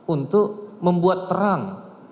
untuk membuat terang